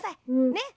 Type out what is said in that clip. ねっ？